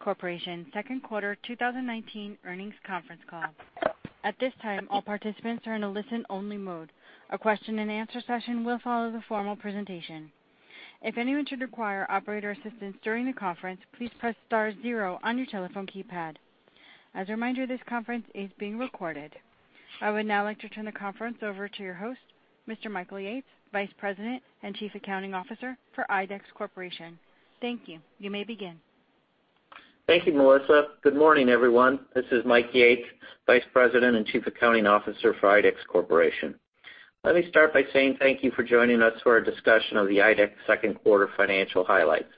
Corporation second quarter 2019 earnings conference call. At this time, all participants are in a listen-only mode. A question and answer session will follow the formal presentation. If anyone should require operator assistance during the conference, please press star zero on your telephone keypad. As a reminder, this conference is being recorded. I would now like to turn the conference over to your host, Mr. Michael Yates, Vice President and Chief Accounting Officer for IDEX Corporation. Thank you. You may begin. Thank you, Melissa. Good morning, everyone. This is Mike Yates, Vice President and Chief Accounting Officer for IDEX Corporation. Let me start by saying thank you for joining us for our discussion of the IDEX second quarter financial highlights.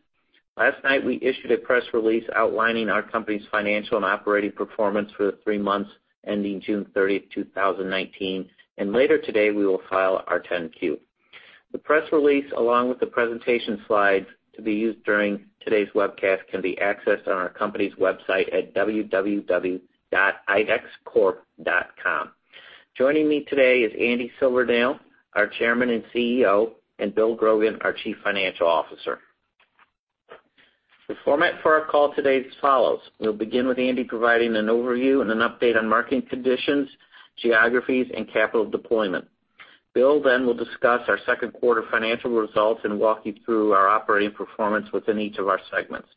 Last night, we issued a press release outlining our company's financial and operating performance for the three months ending June 30th, 2019, and later today, we will file our 10-Q. The press release, along with the presentation slides to be used during today's webcast, can be accessed on our company's website at www.idexcorp.com. Joining me today is Andy Silvernail, our Chairman and CEO, and Bill Grogan, our Chief Financial Officer. The format for our call today is as follows. We'll begin with Andy providing an overview and an update on marketing conditions, geographies, and capital deployment. Bill Grogan will discuss our second quarter financial results and walk you through our operating performance within each of our segments.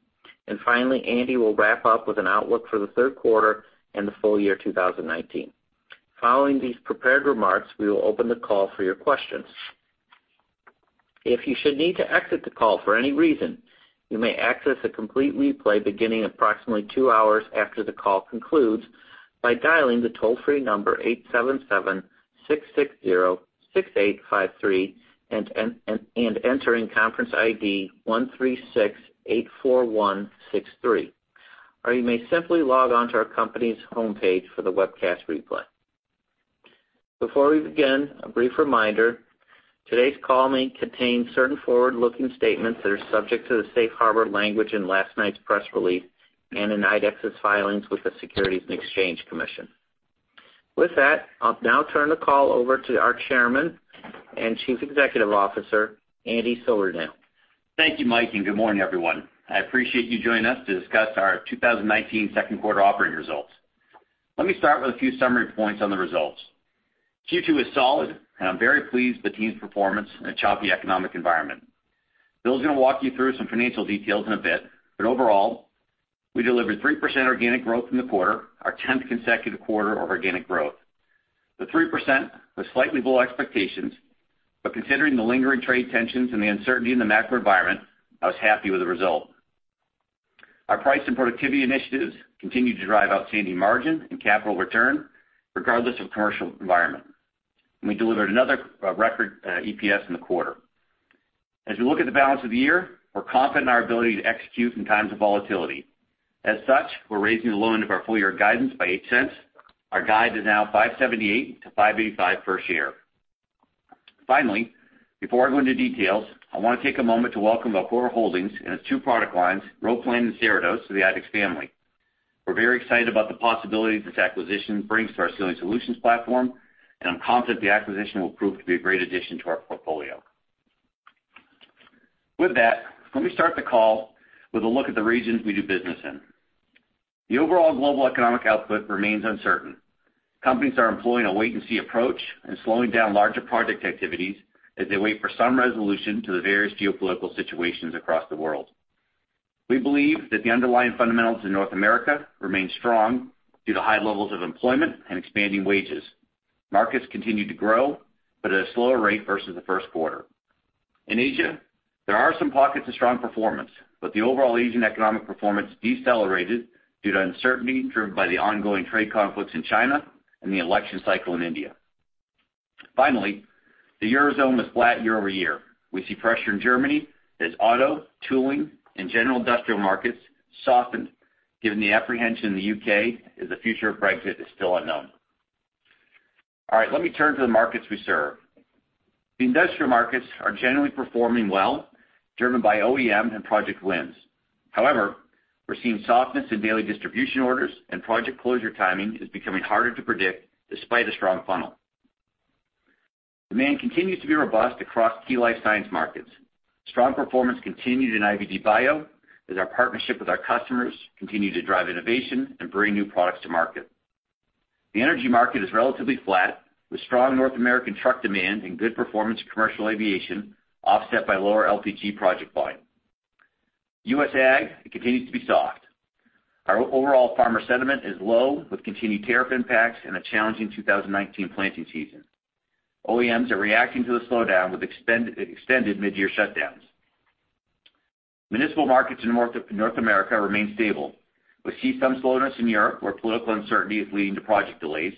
Finally, Andy Silvernail will wrap up with an outlook for the third quarter and the full year 2019. Following these prepared remarks, we will open the call for your questions. If you should need to exit the call for any reason, you may access a complete replay beginning approximately 2 hours after the call concludes by dialing the toll-free number 877-660-6853 and entering conference ID 13684163, or you may simply log on to our company's homepage for the webcast replay. Before we begin, a brief reminder, today's call may contain certain forward-looking statements that are subject to the safe harbor language in last night's press release and in IDEX's filings with the Securities and Exchange Commission. With that, I'll now turn the call over to our Chairman and Chief Executive Officer, Andy Silvernail. Thank you, Mike, and good morning, everyone. I appreciate you joining us to discuss our 2019 second quarter operating results. Let me start with a few summary points on the results. Q2 is solid, and I'm very pleased with the team's performance in a choppy economic environment. Bill's going to walk you through some financial details in a bit, but overall, we delivered 3% organic growth in the quarter, our 10th consecutive quarter of organic growth. The 3% was slightly below expectations, but considering the lingering trade tensions and the uncertainty in the macro environment, I was happy with the result. Our price and productivity initiatives continued to drive outstanding margin and capital return regardless of commercial environment. We delivered another record EPS in the quarter. As we look at the balance of the year, we're confident in our ability to execute in times of volatility. As such, we're raising the low end of our full year guidance by $0.08. Our guide is now $5.78-$5.85 per share. Finally, before I go into details, I want to take a moment to welcome Velcora Holdings and its two product lines, Roplan and Steridose, to the IDEX family. We're very excited about the possibility this acquisition brings to our Sealing Solutions platform, and I'm confident the acquisition will prove to be a great addition to our portfolio. With that, let me start the call with a look at the regions we do business in. The overall global economic output remains uncertain. Companies are employing a wait-and-see approach and slowing down larger project activities as they wait for some resolution to the various geopolitical situations across the world. We believe that the underlying fundamentals in North America remain strong due to high levels of employment and expanding wages. Markets continue to grow, but at a slower rate versus the first quarter. In Asia, there are some pockets of strong performance, but the overall Asian economic performance decelerated due to uncertainty driven by the ongoing trade conflicts in China and the election cycle in India. Finally, the Eurozone was flat year-over-year. We see pressure in Germany as auto, tooling, and general industrial markets softened given the apprehension in the U.K. as the future of Brexit is still unknown. All right. Let me turn to the markets we serve. The industrial markets are generally performing well, driven by OEM and project wins. However, we're seeing softness in daily distribution orders and project closure timing is becoming harder to predict despite a strong funnel. Demand continues to be robust across key life science markets. Strong performance continued in IVD bio as our partnership with our customers continued to drive innovation and bring new products to market. The energy market is relatively flat with strong North American truck demand and good performance commercial aviation offset by lower LPG project volume. U.S. Ag, it continues to be soft. Our overall farmer sentiment is low with continued tariff impacts and a challenging 2019 planting season. OEMs are reacting to the slowdown with extended mid-year shutdowns. Municipal markets in North America remain stable. We see some slowness in Europe where political uncertainty is leading to project delays,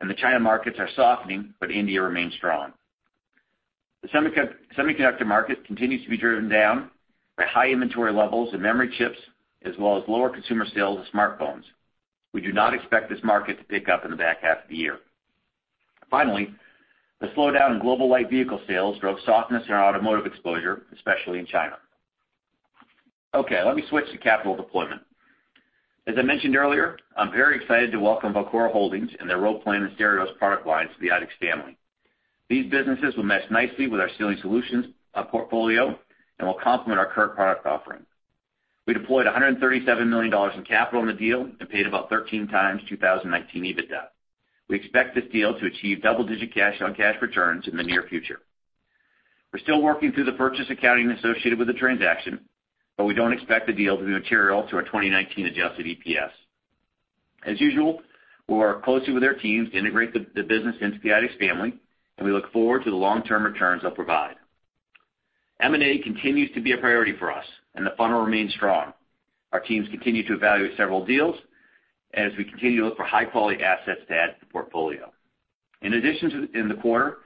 and the China markets are softening, but India remains strong. The semiconductor market continues to be driven down by high inventory levels and memory chips, as well as lower consumer sales of smartphones. We do not expect this market to pick up in the back half of the year. Finally, the slowdown in global light vehicle sales drove softness in our automotive exposure, especially in China. Okay, let me switch to capital deployment. As I mentioned earlier, I'm very excited to welcome Velcora Holdings and their Roplan and Steridose product lines to the IDEX family. These businesses will mesh nicely with our Sealing Solutions portfolio and will complement our current product offering. We deployed $137 million in capital in the deal and paid about 13 times 2019 EBITDA. We expect this deal to achieve double-digit cash-on-cash returns in the near future. We're still working through the purchase accounting associated with the transaction, but we don't expect the deal to be material to our 2019 adjusted EPS. As usual, we work closely with our teams to integrate the business into the IDEX family, and we look forward to the long-term returns they'll provide. M&A continues to be a priority for us, and the funnel remains strong. Our teams continue to evaluate several deals as we continue to look for high-quality assets to add to the portfolio. In addition, in the quarter,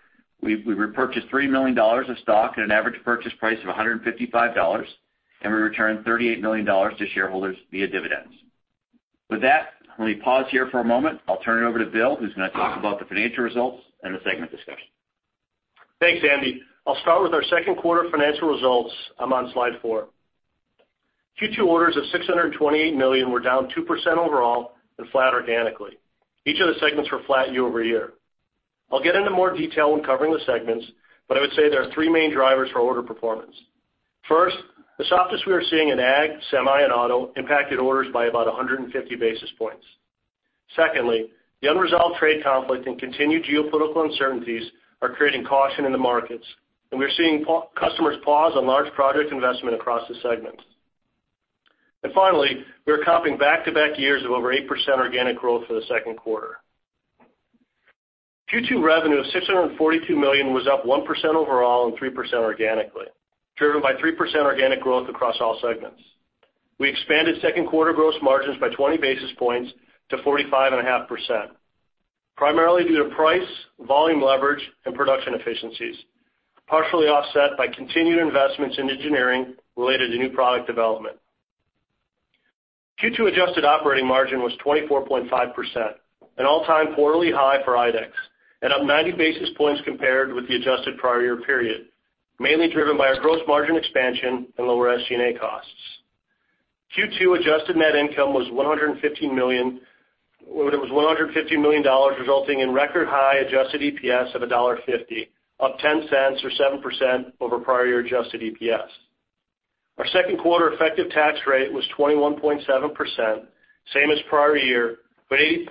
we repurchased $3 million of stock at an average purchase price of $155, and we returned $38 million to shareholders via dividends. With that, let me pause here for a moment. I'll turn it over to Bill, who's going to talk about the financial results and the segment discussion. Thanks, Andy. I'll start with our second quarter financial results. I'm on slide four. Q2 orders of $628 million were down 2% overall and flat organically. Each of the segments were flat year-over-year. I'll get into more detail when covering the segments, but I would say there are three main drivers for order performance. First, the softness we are seeing in ag, semi, and auto impacted orders by about 150 basis points. Secondly, the unresolved trade conflict and continued geopolitical uncertainties are creating caution in the markets, and we are seeing customers pause on large project investment across the segments. Finally, we are comping back-to-back years of over 8% organic growth for the second quarter. Q2 revenue of $642 million was up 1% overall and 3% organically, driven by 3% organic growth across all segments. We expanded second quarter gross margins by 20 basis points to 45.5%, primarily due to price, volume leverage, and production efficiencies, partially offset by continued investments in engineering related to new product development. Q2 adjusted operating margin was 24.5%, an all-time quarterly high for IDEX and up 90 basis points compared with the adjusted prior year period, mainly driven by our gross margin expansion and lower SG&A costs. Q2 adjusted net income was $115 million, resulting in record-high adjusted EPS of $1.50, up $0.10 or 7% over prior year adjusted EPS. Our second quarter effective tax rate was 21.7%, same as prior year, but 80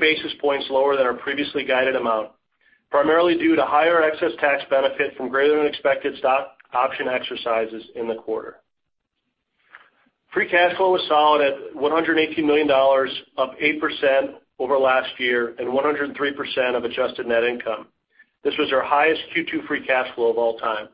basis points lower than our previously guided amount, primarily due to higher excess tax benefit from greater-than-expected stock option exercises in the quarter. Free cash flow was solid at $118 million, up 8% over last year, and 103% of adjusted net income. This was our highest Q2 free cash flow of all time.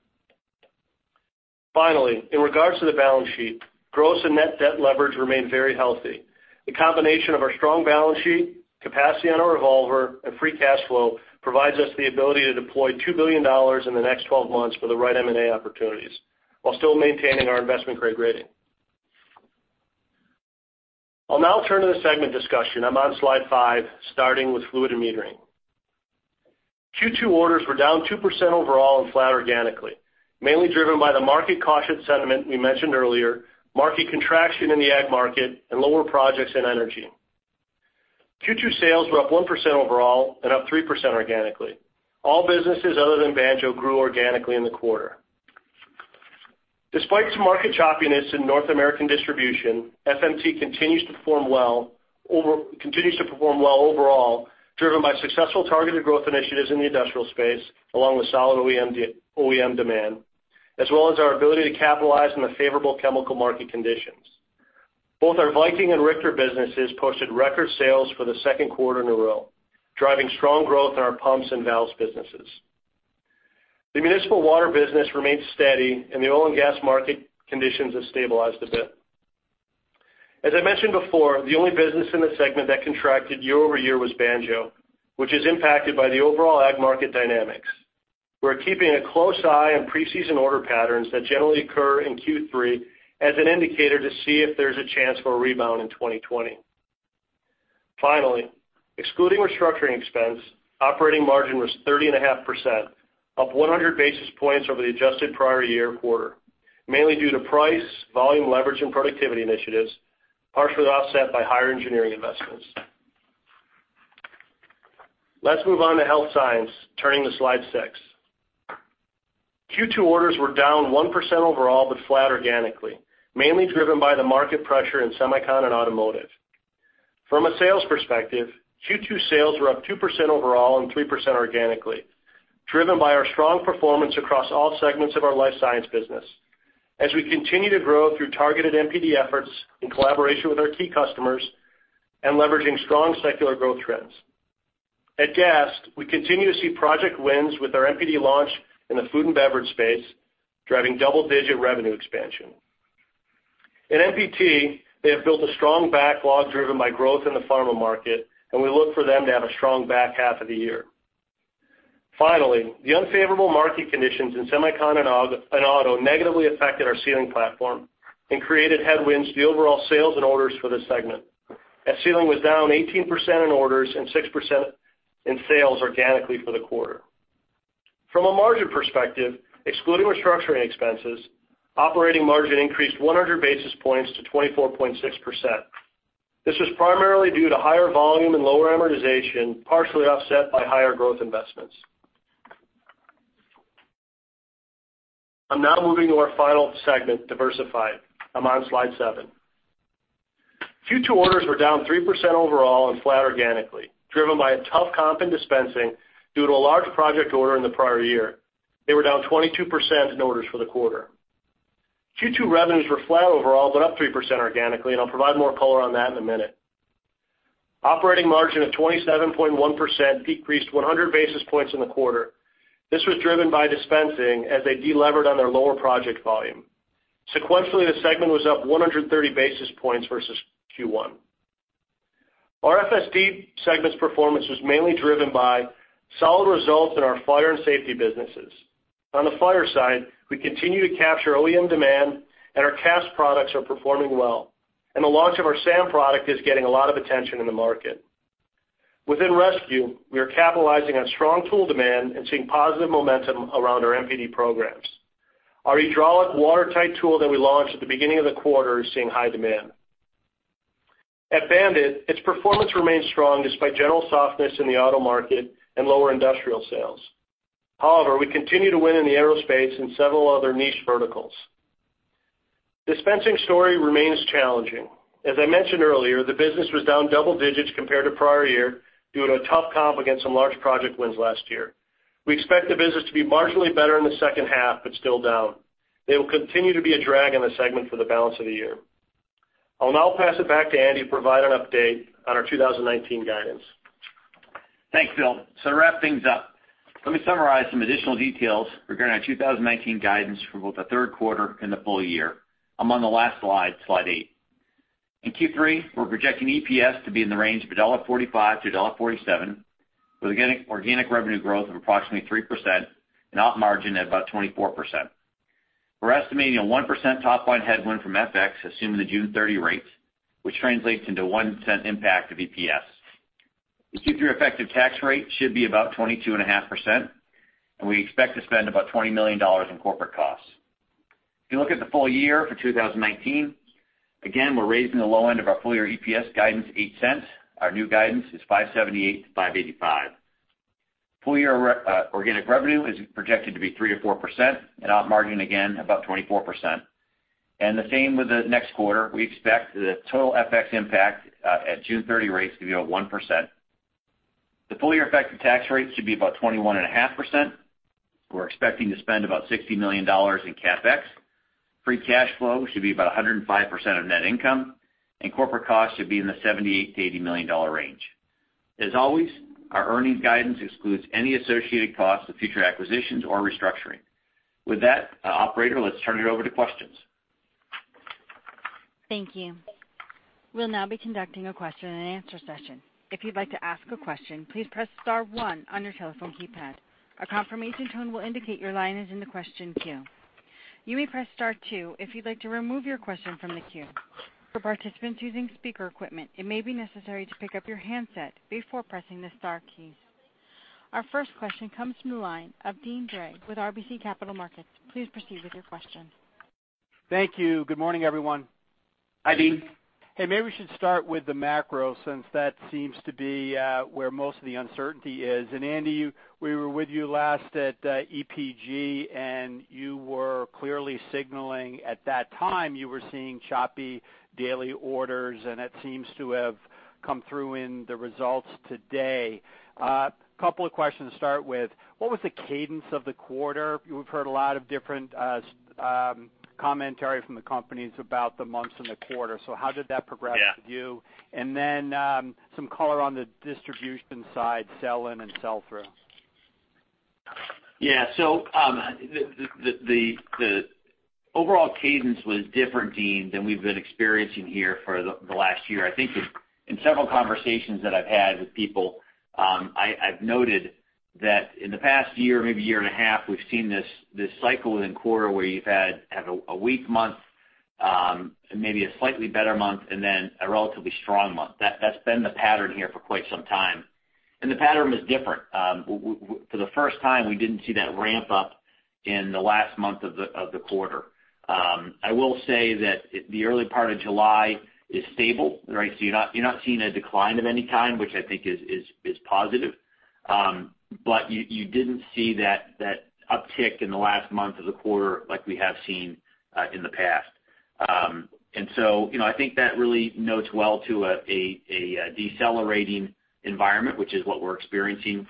Finally, in regards to the balance sheet, gross and net debt leverage remain very healthy. The combination of our strong balance sheet, capacity on our revolver, and free cash flow provides us the ability to deploy $2 billion in the next 12 months for the right M&A opportunities while still maintaining our investment-grade rating. I'll now turn to the segment discussion, I'm on slide five, starting with fluid and metering. Q2 orders were down 2% overall and flat organically, mainly driven by the market cautious sentiment we mentioned earlier, market contraction in the ag market, and lower projects in energy. Q2 sales were up 1% overall and up 3% organically. All businesses other than Banjo grew organically in the quarter. Despite some market choppiness in North American distribution, FMT continues to perform well overall, driven by successful targeted growth initiatives in the industrial space, along with solid OEM demand, as well as our ability to capitalize on the favorable chemical market conditions. Both our Viking and Richter businesses posted record sales for the second quarter in a row, driving strong growth in our pumps and valves businesses. The municipal water business remains steady, the oil and gas market conditions have stabilized a bit. As I mentioned before, the only business in the segment that contracted year-over-year was Banjo, which is impacted by the overall ag market dynamics. We're keeping a close eye on pre-season order patterns that generally occur in Q3 as an indicator to see if there's a chance for a rebound in 2020. Finally, excluding restructuring expense, operating margin was 30.5%, up 100 basis points over the adjusted prior year quarter, mainly due to price, volume leverage, and productivity initiatives, partially offset by higher engineering investments. Let's move on to Health Science, turning to slide six. Q2 orders were down 1% overall but flat organically, mainly driven by the market pressure in semicon and automotive. From a sales perspective, Q2 sales were up 2% overall and 3% organically, driven by our strong performance across all segments of our Life Science business as we continue to grow through targeted MPD efforts in collaboration with our key customers and leveraging strong secular growth trends. At Gast, we continue to see project wins with our MPD launch in the food and beverage space, driving double-digit revenue expansion. At MPT, they have built a strong backlog driven by growth in the pharma market, and we look for them to have a strong back half of the year. Finally, the unfavorable market conditions in semicon and auto negatively affected our Sealing platform and created headwinds to the overall sales and orders for the segment, as Sealing was down 18% in orders and 6% in sales organically for the quarter. From a margin perspective, excluding restructuring expenses, operating margin increased 100 basis points to 24.6%. This was primarily due to higher volume and lower amortization, partially offset by higher growth investments. I'm now moving to our final segment, Diversified. I'm on slide seven. Q2 orders were down 3% overall and flat organically, driven by a tough comp in dispensing due to a large project order in the prior year. They were down 22% in orders for the quarter. Q2 revenues were flat overall, but up 3% organically, I'll provide more color on that in a minute. Operating margin of 27.1% decreased 100 basis points in the quarter. This was driven by dispensing as they de-levered on their lower project volume. Sequentially, the segment was up 130 basis points versus Q1. Our FSD segment's performance was mainly driven by solid results in our fire and safety businesses. On the fire side, we continue to capture OEM demand, Our CAFS products are performing well. The launch of our SAM product is getting a lot of attention in the market. Within rescue, we are capitalizing on strong tool demand and seeing positive momentum around our MPD programs. Our hydraulic watertight tool that we launched at the beginning of the quarter is seeing high demand. At BAND-IT, its performance remains strong despite general softness in the auto market and lower industrial sales. We continue to win in the aerospace and several other niche verticals. Dispensing story remains challenging. As I mentioned earlier, the business was down double digits compared to prior year due to a tough comp against some large project wins last year. We expect the business to be marginally better in the second half, but still down. They will continue to be a drag on the segment for the balance of the year. I'll now pass it back to Andy to provide an update on our 2019 guidance. Thanks, Bill. To wrap things up, let me summarize some additional details regarding our 2019 guidance for both the third quarter and the full year. I'm on the last slide eight. In Q3, we're projecting EPS to be in the range of $1.45-$1.47, with organic revenue growth of approximately 3% and op margin at about 24%. We're estimating a 1% top-line headwind from FX, assuming the June 30 rates, which translates into a $0.01 impact to EPS. The Q3 effective tax rate should be about 22.5%, and we expect to spend about $20 million in corporate costs. If you look at the full year for 2019, again, we're raising the low end of our full-year EPS guidance $0.08. Our new guidance is $5.78-$5.85. Full-year organic revenue is projected to be 3%-4%, and op margin, again, about 24%. The same with the next quarter, we expect the total FX impact at June 30 rates to be about 1%. The full-year effective tax rate should be about 21.5%. We're expecting to spend about $60 million in CapEx. Free cash flow should be about 105% of net income, and corporate costs should be in the $78 million-$80 million range. As always, our earnings guidance excludes any associated costs of future acquisitions or restructuring. With that, operator, let's turn it over to questions. Thank you. We'll now be conducting a question and answer session. If you'd like to ask a question, please press star one on your telephone keypad. A confirmation tone will indicate your line is in the question queue. You may press star two if you'd like to remove your question from the queue. For participants using speaker equipment, it may be necessary to pick up your handset before pressing the star keys. Our first question comes from the line of Deane Dray with RBC Capital Markets. Please proceed with your question. Thank you. Good morning, everyone. Hi, Deane. Hey, maybe we should start with the macro since that seems to be where most of the uncertainty is. Andy, we were with you last at EPG, and you were clearly signaling at that time you were seeing choppy daily orders, and that seems to have come through in the results today. A couple of questions to start with. What was the cadence of the quarter? We've heard a lot of different commentary from the companies about the months in the quarter. How did that progress? Yeah with you? Some color on the distribution side, sell-in and sell-through. The overall cadence was different, Deane, than we've been experiencing here for the last year. I think in several conversations that I've had with people, I've noted that in the past year, maybe year and a half, we've seen this cycle within quarter where you've had a weak month, maybe a slightly better month, and then a relatively strong month. That's been the pattern here for quite some time. The pattern was different. For the first time, we didn't see that ramp up in the last month of the quarter. I will say that the early part of July is stable, right? You're not seeing a decline of any kind, which I think is positive. You didn't see that uptick in the last month of the quarter like we have seen in the past. I think that really notes well to a decelerating environment, which is what we're experiencing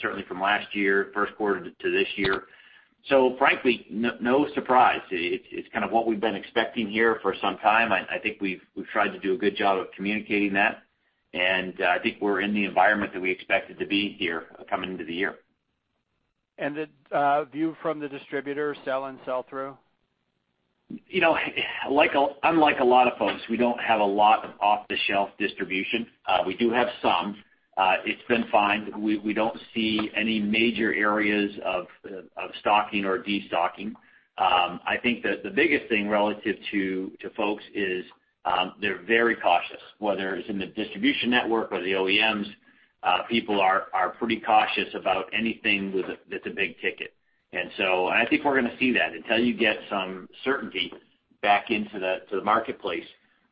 certainly from last year, first quarter to this year. Frankly, no surprise. It's kind of what we've been expecting here for some time. I think we've tried to do a good job of communicating that, and I think we're in the environment that we expected to be here coming into the year. The view from the distributor, sell-in, sell-through? Unlike a lot of folks, we don't have a lot of off-the-shelf distribution. We do have some. It's been fine. We don't see any major areas of stocking or de-stocking. I think that the biggest thing relative to folks is they're very cautious, whether it's in the distribution network or the OEMs. People are pretty cautious about anything that's a big ticket. I think we're going to see that until you get some certainty back into the marketplace.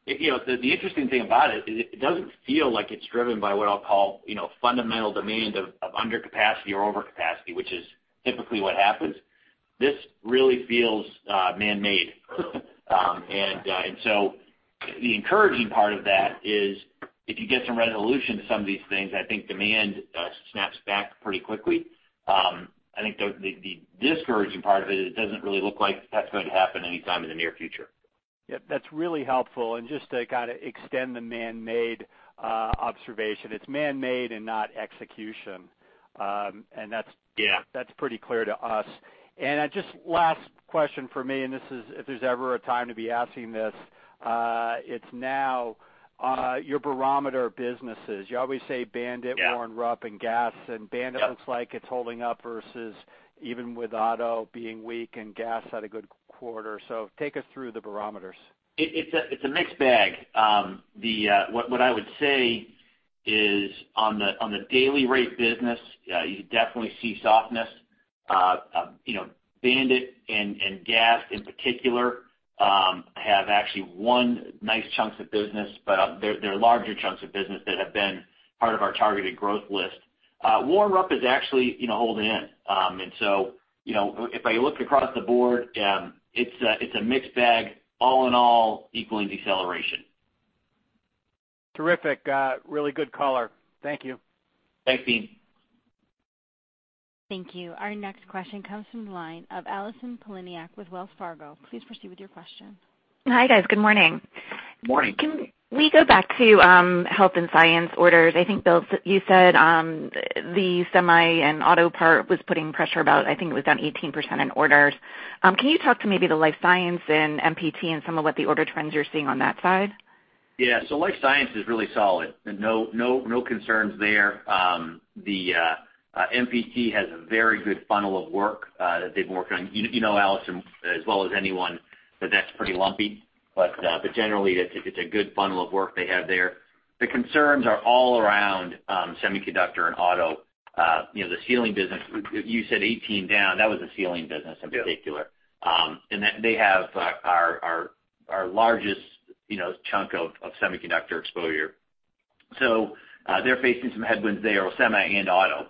The interesting thing about it is it doesn't feel like it's driven by what I'll call fundamental demand of under capacity or over capacity, which is typically what happens. This really feels man-made. The encouraging part of that is if you get some resolution to some of these things, I think demand snaps back pretty quickly. I think the discouraging part of it is it doesn't really look like that's going to happen anytime in the near future. Yep. That's really helpful. Just to kind of extend the man-made observation. It's man-made and not execution. Yeah. That's pretty clear to us. Just last question from me, and if there's ever a time to be asking this, it's now. Your barometer of businesses, you always say BAND-IT- Yeah Warren Rupp and Gast. Yep. BAND-IT looks like it's holding up versus even with auto being weak and gas had a good quarter. Take us through the barometers. It's a mixed bag. What I would say is on the daily rate business, you definitely see softness. BAND-IT and Gast in particular have actually won nice chunks of business, but they're larger chunks of business that have been part of our targeted growth list. Warren Rupp is actually holding in. If I look across the board, it's a mixed bag, all in all equaling deceleration. Terrific. Really good color. Thank you. Thanks, Deane. Thank you. Our next question comes from the line of Allison Poliniak with Wells Fargo. Please proceed with your question. Hi, guys. Good morning. Morning. Can we go back to Health & Science orders? I think, Bill, you said, the semi and auto part was putting pressure about, I think it was down 18% in orders. Can you talk to maybe the life science and MPT and some of what the order trends you're seeing on that side? Yeah. Life science is really solid, and no concerns there. The MPT has a very good funnel of work that they've been working on. You know Allison as well as anyone that's pretty lumpy, but generally, it's a good funnel of work they have there. The concerns are all around semiconductor and auto. The Sealing Solutions, you said 18 down. That was the Sealing Solutions in particular. Yeah. They have our largest chunk of semiconductor exposure. They're facing some headwinds there, semi and auto.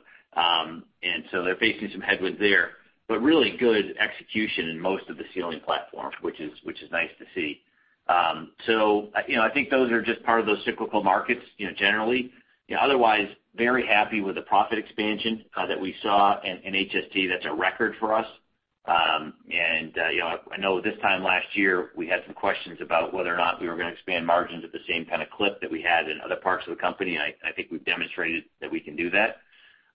They're facing some headwinds there, but really good execution in most of the sealing platforms, which is nice to see. I think those are just part of those cyclical markets, generally. Otherwise, very happy with the profit expansion that we saw in HST. That's a record for us. I know this time last year, we had some questions about whether or not we were going to expand margins at the same kind of clip that we had in other parts of the company, and I think we've demonstrated that we can do that.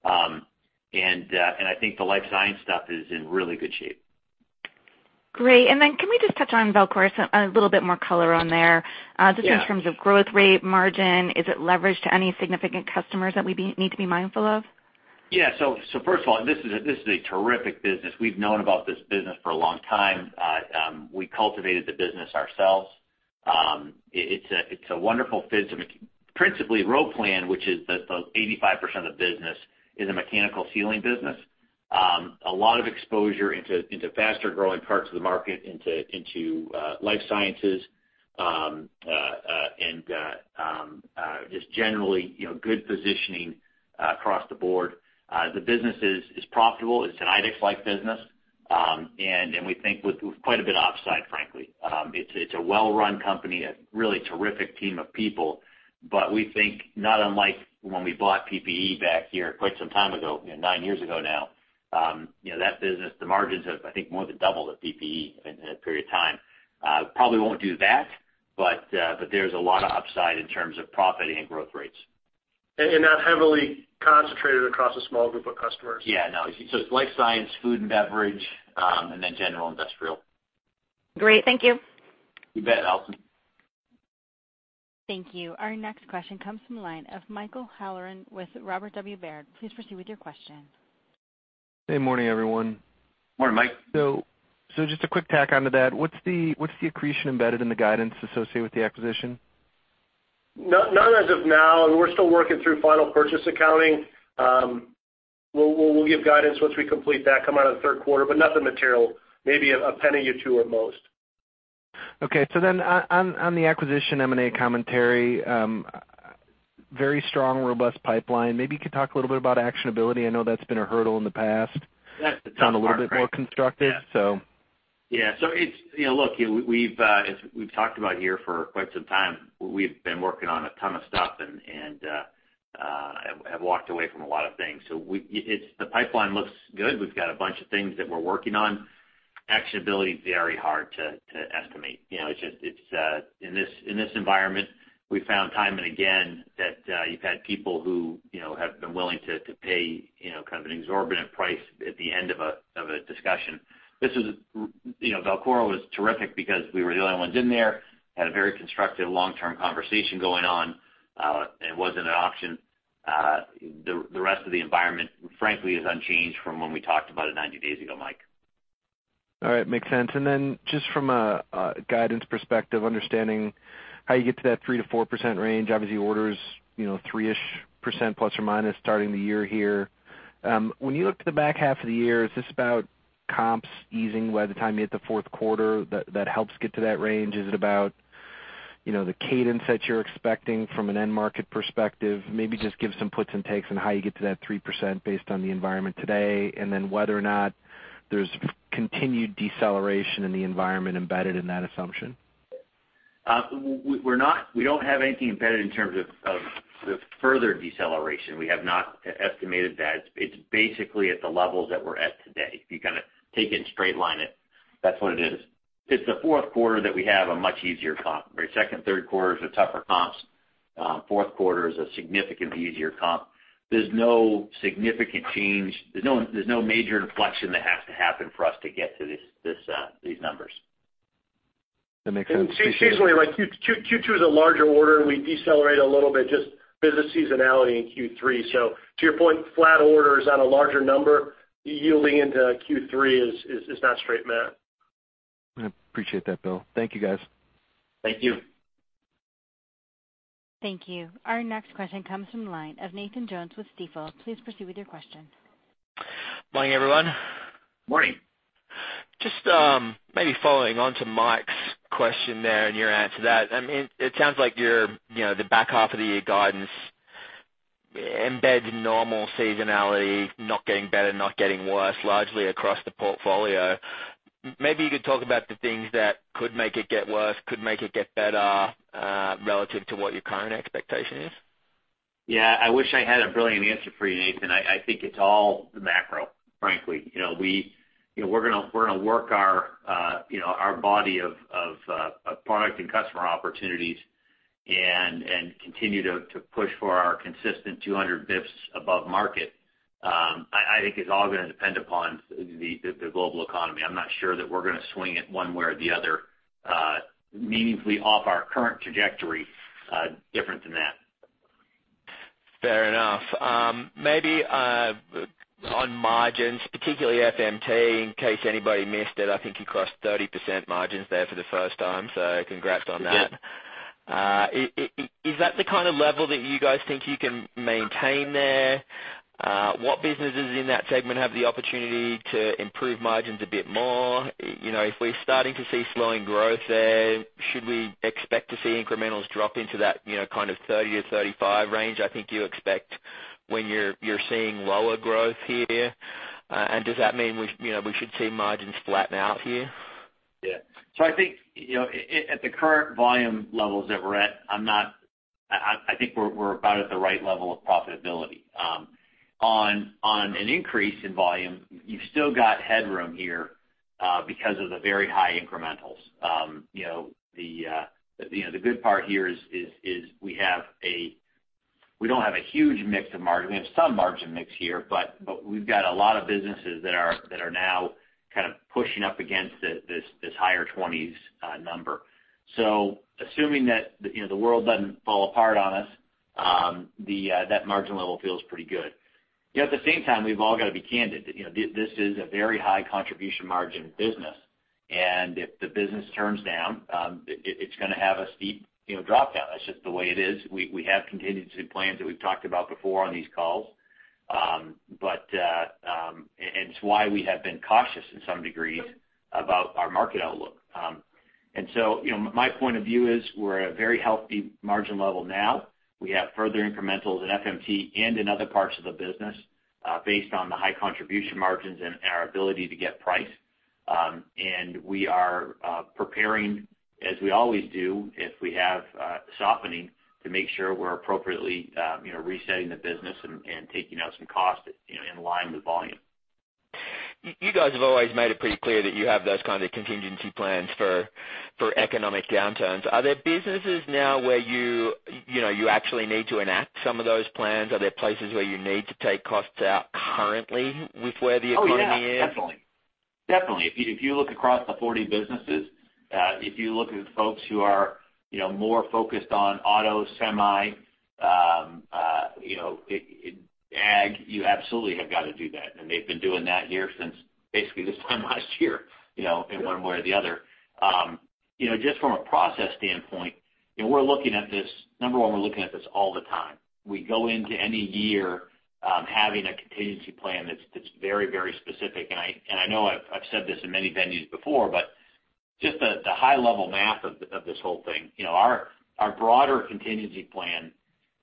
I think the life science stuff is in really good shape. Great. Can we just touch on Velcora, a little bit more color on there. Yeah just in terms of growth rate, margin. Is it leveraged to any significant customers that we need to be mindful of? First of all, this is a terrific business. We've known about this business for a long time. We cultivated the business ourselves. It's a wonderful fit. Principally, Roplan, which is the 85% of the business, is a mechanical sealing business. A lot of exposure into faster-growing parts of the market, into life sciences, and just generally good positioning across the board. The business is profitable. It's an IDEX-like business. We think with quite a bit upside, frankly. It's a well-run company, a really terrific team of people. We think not unlike when we bought PPE back here quite some time ago, nine years ago now. That business, the margins have, I think, more than doubled at PPE in a period of time. Probably won't do that, there's a lot of upside in terms of profit and growth rates. Not heavily concentrated across a small group of customers. Yeah, no. It's life science, food and beverage, and then general industrial. Great. Thank you. You bet, Allison. Thank you. Our next question comes from the line of Michael Halloran with Robert W. Baird. Please proceed with your question. Good morning, everyone. Morning, Mike. Just a quick tack onto that. What's the accretion embedded in the guidance associated with the acquisition? None as of now. We're still working through final purchase accounting. We'll give guidance once we complete that come out of the third quarter, but nothing material, maybe $0.01 or $0.02 at most. Okay. On the acquisition M&A commentary, very strong, robust pipeline. Maybe you could talk a little bit about actionability. I know that's been a hurdle in the past. That's the tough part, right? Sound a little bit more constructive. Yeah. So. Yeah. Look, we've talked about here for quite some time, we've been working on a ton of stuff and have walked away from a lot of things. The pipeline looks good. We've got a bunch of things that we're working on. Actionability is very hard to estimate. In this environment, we found time and again that you've had people who have been willing to pay kind of an exorbitant price at the end of a discussion. Velcora was terrific because we were the only ones in there, had a very constructive long-term conversation going on. It wasn't an option. The rest of the environment, frankly, is unchanged from when we talked about it 90 days ago, Mike. All right. Makes sense. Just from a guidance perspective, understanding how you get to that 3%-4% range, obviously orders, three-ish percent ± starting the year here. When you look to the back half of the year, is this about comps easing by the time you hit the fourth quarter that helps get to that range? Is it about the cadence that you're expecting from an end market perspective? Maybe just give some puts and takes on how you get to that 3% based on the environment today, whether or not there's continued deceleration in the environment embedded in that assumption. We don't have anything embedded in terms of the further deceleration. We have not estimated that. It's basically at the levels that we're at today. If you kind of take it and straight line it, that's what it is. It's the fourth quarter that we have a much easier comp. second, third quarter is a tougher comps. Fourth quarter is a significantly easier comp. There's no significant change. There's no major inflection that has to happen for us to get to these numbers. That makes sense. Seasonally, Q2 is a larger order, and we decelerate a little bit, just business seasonality in Q3. To your point, flat orders on a larger number yielding into Q3 is not straight math. I appreciate that, Bill. Thank you, guys. Thank you. Thank you. Our next question comes from the line of Nathan Jones with Stifel. Please proceed with your question. Morning, everyone. Morning. Just maybe following on to Mike's question there and your answer to that, it sounds like the back half of the year guidance embeds normal seasonality, not getting better, not getting worse, largely across the portfolio. Maybe you could talk about the things that could make it get worse, could make it get better, relative to what your current expectation is. Yeah. I wish I had a brilliant answer for you, Nathan. I think it's all the macro, frankly. We're going to work our body of product and customer opportunities and continue to push for our consistent 200 basis points above market. I think it's all going to depend upon the global economy. I'm not sure that we're going to swing it one way or the other meaningfully off our current trajectory different than that. Fair enough. Maybe on margins, particularly FMT, in case anybody missed it, I think you crossed 30% margins there for the first time. Congrats on that. Yeah. Is that the kind of level that you guys think you can maintain there? What businesses in that segment have the opportunity to improve margins a bit more? If we're starting to see slowing growth there, should we expect to see incrementals drop into that 30-35 range, I think you expect when you're seeing lower growth here? Does that mean we should see margins flatten out here? I think at the current volume levels that we're at, I think we're about at the right level of profitability. On an increase in volume, you've still got headroom here because of the very high incrementals. The good part here is we don't have a huge mix of margin. We have some margin mix here, we've got a lot of businesses that are now kind of pushing up against this higher 20s number. Assuming that the world doesn't fall apart on us, that margin level feels pretty good. At the same time, we've all got to be candid. This is a very high contribution margin business, and if the business turns down, it's going to have a steep drop-down. That's just the way it is. We have contingency plans that we've talked about before on these calls, and it's why we have been cautious in some degrees about our market outlook. My point of view is we're at a very healthy margin level now. We have further incrementals in FMT and in other parts of the business based on the high contribution margins and our ability to get price. We are preparing, as we always do, if we have softening, to make sure we're appropriately resetting the business and taking out some cost in line with volume. You guys have always made it pretty clear that you have those kind of contingency plans for economic downturns. Are there businesses now where you actually need to enact some of those plans? Are there places where you need to take costs out currently with where the economy is? Oh, yeah. Definitely. If you look across the 40 businesses, if you look at folks who are more focused on auto, semi, ag, you absolutely have got to do that, and they've been doing that here since basically this time last year, in one way or the other. Just from a process standpoint, number one, we're looking at this all the time. We go into any year having a contingency plan that's very specific, I know I've said this in many venues before, but just the high level math of this whole thing. Our broader contingency plan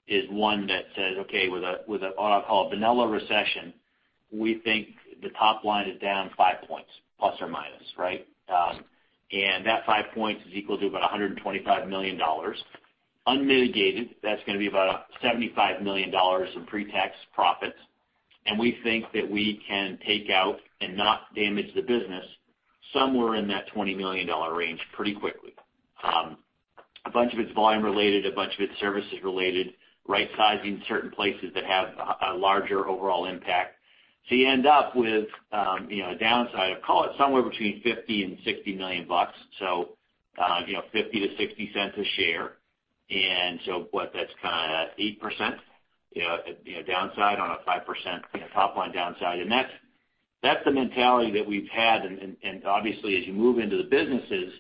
is one that says, okay, with what I'll call a vanilla recession, we think the top line is down five points, plus or minus. That five points is equal to about $125 million. Unmitigated, that's going to be about $75 million in pre-tax profits, we think that we can take out and not damage the business somewhere in that $20 million range pretty quickly. A bunch of it's volume related, a bunch of it's services related, right-sizing certain places that have a larger overall impact. You end up with a downside of, call it somewhere between $50 million and $60 million. $0.50-$0.60 a share. What, that's kind of 8% downside on a 5% top line downside. That's the mentality that we've had. Obviously, as you move into the businesses,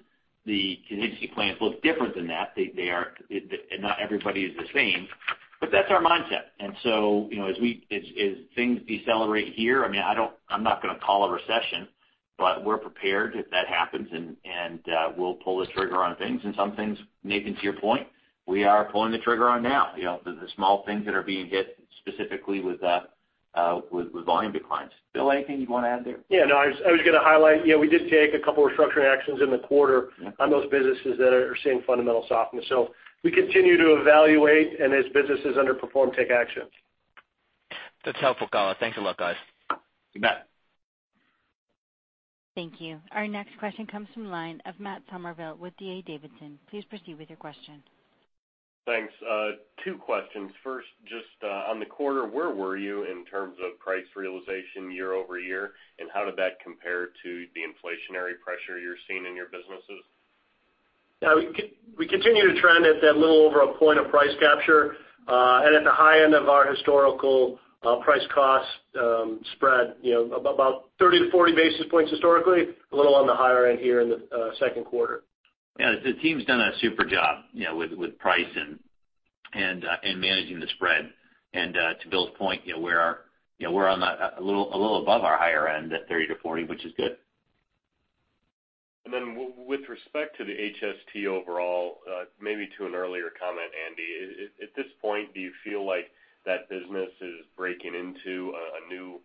the contingency plans look different than that. Not everybody is the same, that's our mindset. As things decelerate here, I'm not going to call a recession, we're prepared if that happens, and we'll pull the trigger on things. Some things, Nathan, to your point, we are pulling the trigger on now. The small things that are being hit specifically with volume declines. Bill, anything you'd want to add there? Yeah, no, I was going to highlight, we did take a couple of restructuring actions in the quarter on those businesses that are seeing fundamental softness. We continue to evaluate, and as businesses underperform, take actions. That's helpful. Got it. Thanks a lot, guys. You bet. Thank you. Our next question comes from the line of Matt Summerville with D.A. Davidson. Please proceed with your question. Thanks. Two questions. First, just on the quarter, where were you in terms of price realization year-over-year, and how did that compare to the inflationary pressure you're seeing in your businesses? Yeah, we continue to trend at that little over a point of price capture, and at the high end of our historical price cost spread, about 30-40 basis points historically, a little on the higher end here in the second quarter. Yeah. The team's done a super job with price and managing the spread. To Bill's point, we're a little above our higher end at 30%-40%, which is good. Then with respect to the HST overall, maybe to an earlier comment, Andy, at this point, do you feel like that business is breaking into a new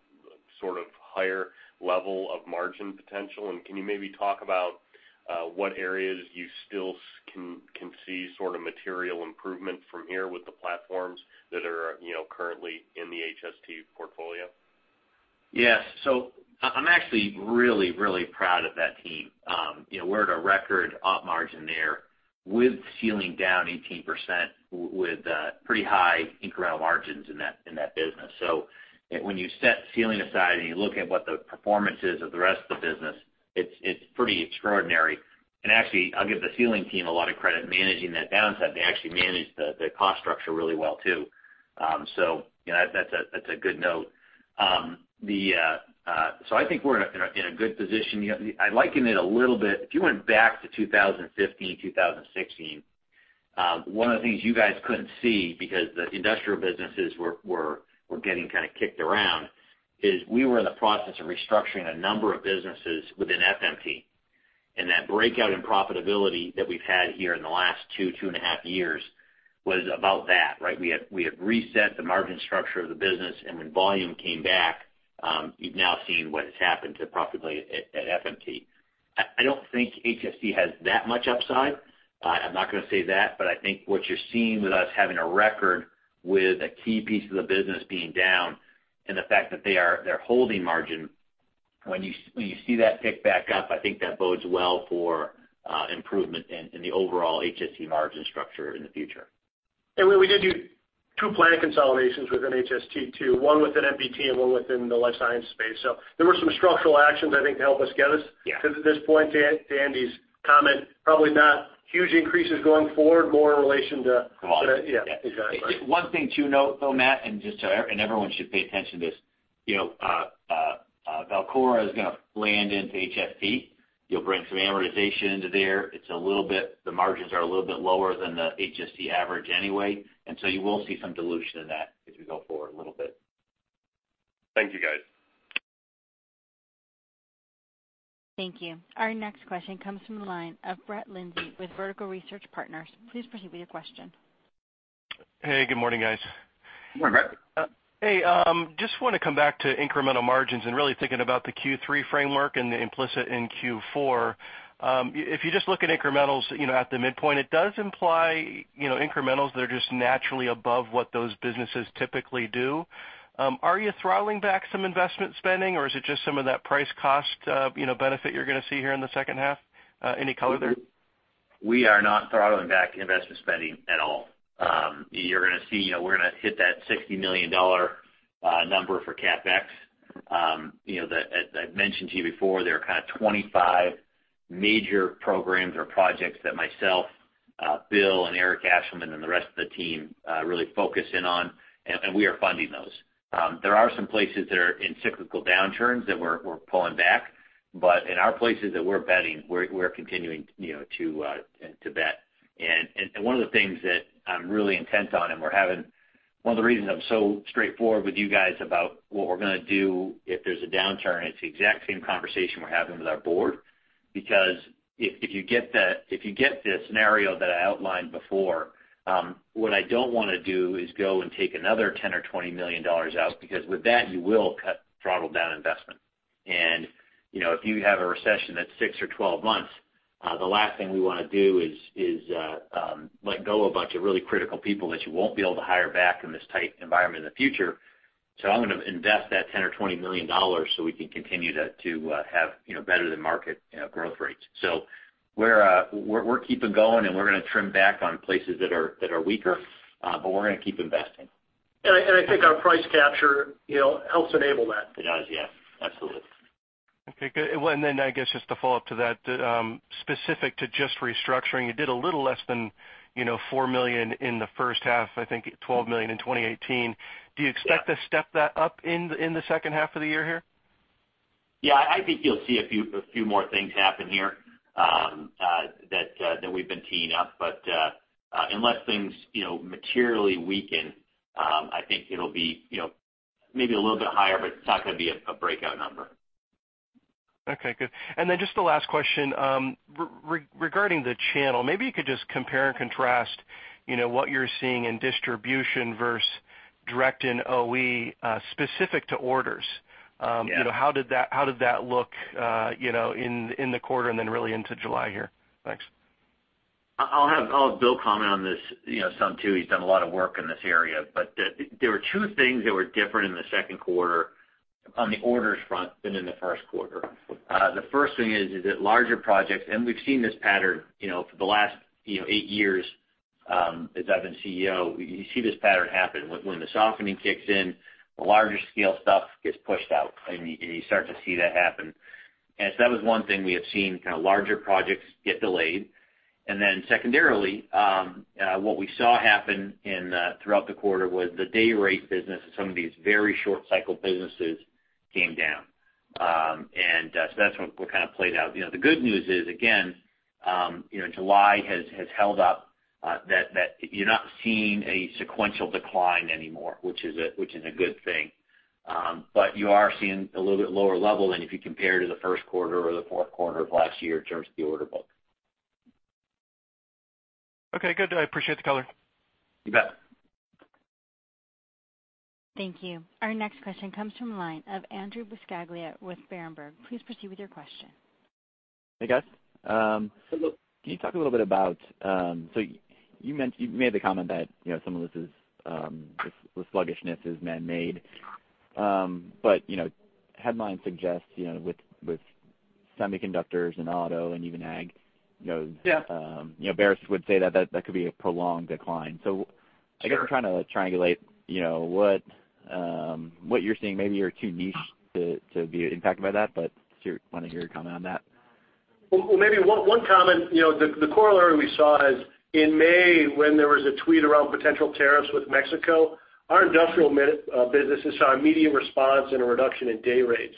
sort of higher level of margin potential? Can you maybe talk about what areas you still can see sort of material improvement from here with the platforms that are currently in the HST portfolio? Yes. I'm actually really, really proud of that team. We're at a record op margin there with Sealing down 18% with pretty high incremental margins in that business. When you set Sealing aside and you look at what the performance is of the rest of the business, it's pretty extraordinary. Actually, I'll give the Sealing team a lot of credit managing that downside. They actually managed the cost structure really well, too. That's a good note. I think we're in a good position. I liken it a little bit, if you went back to 2015, 2016, one of the things you guys couldn't see because the industrial businesses were getting kind of kicked around, is we were in the process of restructuring a number of businesses within FMT. That breakout in profitability that we've had here in the last two and a half years was about that, right? We had reset the margin structure of the business, and when volume came back, you've now seen what has happened to profitability at FMT. I don't think HST has that much upside. I'm not going to say that, but I think what you're seeing with us having a record with a key piece of the business being down, and the fact that they're holding margin, when you see that pick back up, I think that bodes well for improvement in the overall HST margin structure in the future. We did do two plant consolidations within HST, too. One within FMT and one within the life science space. There were some structural actions, I think, to help us. Yeah to this point, to Andy's comment, probably not huge increases going forward, more in relation to- Quality. Yeah, exactly. One thing to note, though, Matt, and everyone should pay attention to this. Velcora is going to land into HST. You'll bring some amortization into there. The margins are a little bit lower than the HST average anyway, and so you will see some dilution in that as we go forward a little bit. Thank you, guys. Thank you. Our next question comes from the line of Brett Linzey with Vertical Research Partners. Please proceed with your question. Hey, good morning, guys. Good morning, Brett. I just want to come back to incremental margins and really thinking about the Q3 framework and the implicit in Q4. If you just look at incrementals at the midpoint, it does imply incrementals that are just naturally above what those businesses typically do. Are you throttling back some investment spending, or is it just some of that price cost benefit you're going to see here in the second half? Any color there? We are not throttling back investment spending at all. You're going to see we're going to hit that $60 million number for CapEx. As I've mentioned to you before, there are kind of 25 major programs or projects that myself, Bill, and Eric Ashleman, and the rest of the team really focus in on, and we are funding those. There are some places that are in cyclical downturns that we're pulling back, but in our places that we're betting, we're continuing to bet. One of the things that I'm really intense on, and one of the reasons I'm so straightforward with you guys about what we're going to do if there's a downturn, it's the exact same conversation we're having with our board. If you get the scenario that I outlined before, what I don't want to do is go and take another $10 million or $20 million out, because with that, you will cut throttle down investment. If you have a recession that's six or 12 months, the last thing we want to do is let go of a bunch of really critical people that you won't be able to hire back in this tight environment in the future. I'm going to invest that $10 million or $20 million so we can continue to have better than market growth rates. We're keeping going, and we're going to trim back on places that are weaker, but we're going to keep investing. I think our price capture helps enable that. It does, yeah. Absolutely. Okay, good. I guess just to follow up to that, specific to just restructuring, you did a little less than $4 million in the first half, I think $12 million in 2018. Do you expect to step that up in the second half of the year here? Yeah, I think you'll see a few more things happen here that we've been teeing up. Unless things materially weaken, I think it'll be maybe a little bit higher, but it's not going to be a breakout number. Okay, good. Just the last question, regarding the channel, maybe you could just compare and contrast what you're seeing in distribution versus direct in OE, specific to orders? Yeah. How did that look in the quarter and then really into July here? Thanks. I'll have Bill comment on this some too. He's done a lot of work in this area. There were two things that were different in the second quarter on the orders front than in the first quarter. The first thing is that larger projects, and we've seen this pattern for the last eight years, as I've been CEO. You see this pattern happen when the softening kicks in, the larger scale stuff gets pushed out, and you start to see that happen. That was one thing we have seen, kind of larger projects get delayed. Secondarily, what we saw happen throughout the quarter was the day rate business and some of these very short cycle businesses came down. That's what kind of played out. The good news is, again, July has held up that you're not seeing a sequential decline anymore, which is a good thing. You are seeing a little bit lower level than if you compare to the first quarter or the fourth quarter of last year in terms of the order book. Okay, good. I appreciate the color. You bet. Thank you. Our next question comes from the line of Andrew Buscaglia with Berenberg. Please proceed with your question. Hey, guys. Hello. Can you talk a little bit about, so you made the comment that some of this sluggishness is manmade? Headline suggests with semiconductors and auto and even. Yeah bears would say that could be a prolonged decline. I guess I'm trying to triangulate what you're seeing. Maybe you're too niche to be impacted by that, but want to hear your comment on that. Well, maybe one comment. The corollary we saw is in May when there was a tweet around potential tariffs with Mexico, our industrial businesses saw immediate response and a reduction in day rates.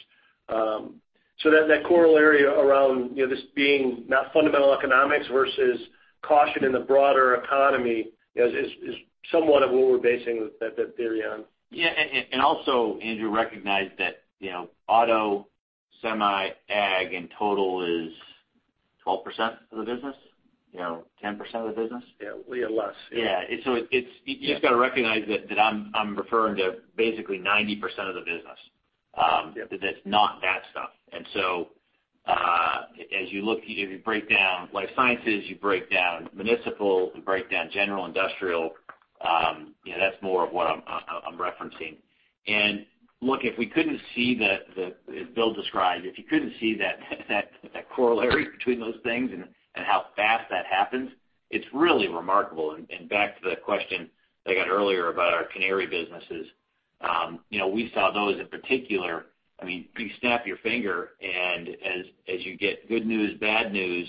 That corollary around this being not fundamental economics versus caution in the broader economy is somewhat of what we're basing that theory on. Yeah. Also, Andrew, recognize that auto, semi, ag in total is 12% of the business, 10% of the business. Yeah. Less, yeah. Yeah. You just got to recognize that I'm referring to basically 90% of the business. Yeah. That's not that stuff. As you break down life sciences, you break down municipal, you break down general industrial, that's more of what I'm referencing. Look, as Bill described, if you couldn't see that corollary between those things and how fast that happens, it's really remarkable. Back to the question I got earlier about our canary businesses, we saw those in particular. You snap your finger and as you get good news, bad news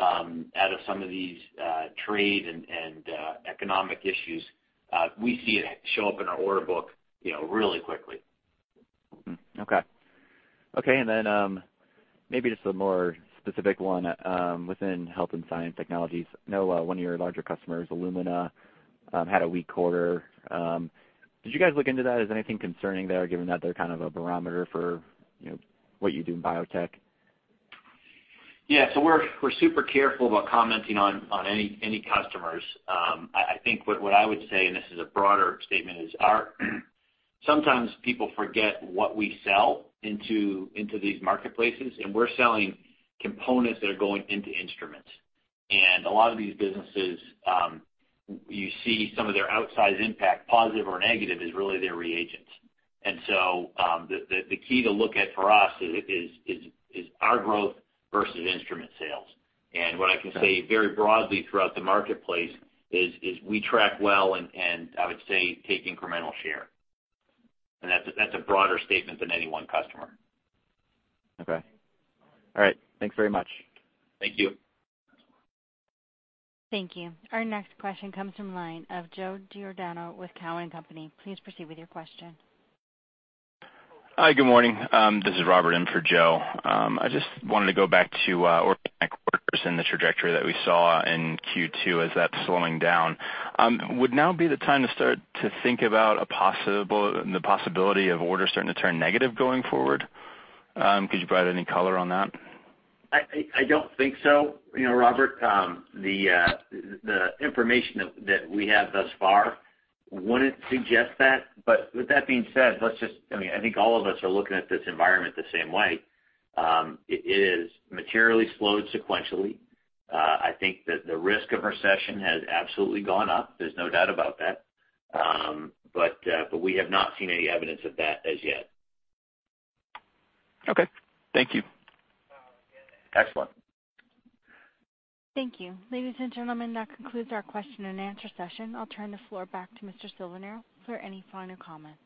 out of some of these trade and economic issues, we see it show up in our order book really quickly. Okay. Then maybe just a more specific one within Health & Science Technologies. I know one of your larger customers, Illumina, had a weak quarter. Did you guys look into that? Is anything concerning there, given that they're kind of a barometer for what you do in biotech? We're super careful about commenting on any customers. I think what I would say, and this is a broader statement, is sometimes people forget what we sell into these marketplaces, and we're selling components that are going into instruments. A lot of these businesses, you see some of their outsize impact, positive or negative, is really their reagents. The key to look at for us is our growth versus instrument sales. What I can say very broadly throughout the marketplace is we track well and I would say take incremental share. That's a broader statement than any one customer. Okay. All right. Thanks very much. Thank you. Thank you. Our next question comes from line of Joe Giordano with Cowen and Company. Please proceed with your question. Hi, good morning. This is Robert in for Joe. I just wanted to go back to [organic orders] and the trajectory that we saw in Q2 as that's slowing down. Would now be the time to start to think about the possibility of orders starting to turn negative going forward? Could you provide any color on that? I don't think so, Robert. The information that we have thus far wouldn't suggest that. With that being said, I think all of us are looking at this environment the same way. It is materially slowed sequentially. I think that the risk of recession has absolutely gone up. There's no doubt about that. We have not seen any evidence of that as yet. Okay. Thank you. Excellent. Thank you. Ladies and gentlemen, that concludes our question and answer session. I'll turn the floor back to Mr. Silvernail for any final comments.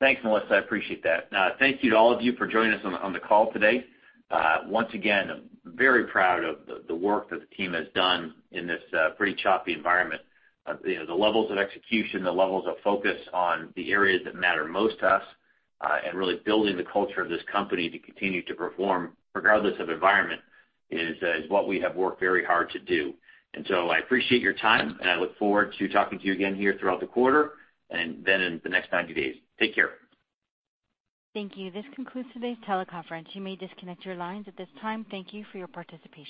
Thanks, Melissa, I appreciate that. Thank you to all of you for joining us on the call today. Once again, very proud of the work that the team has done in this pretty choppy environment. The levels of execution, the levels of focus on the areas that matter most to us, and really building the culture of this company to continue to perform regardless of environment is what we have worked very hard to do. I appreciate your time, and I look forward to talking to you again here throughout the quarter and then in the next 90 days. Take care. Thank you. This concludes today's teleconference. You may disconnect your lines at this time. Thank you for your participation.